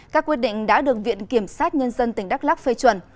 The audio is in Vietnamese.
các quyết định đã được viện kiểm sát nhân dân tỉnh đắk lắc phê chuẩn